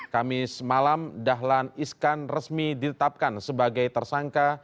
kamis malam dahlan iskan resmi ditetapkan sebagai tersangka